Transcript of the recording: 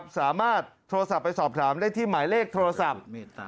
สามารถโทรศัพท์ไปสอบถามได้ที่หมายเลขโทรศัพท์